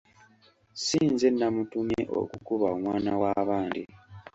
Si nze namutumye okukuba omwana wa bandi.